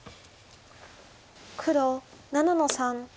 黒７の三。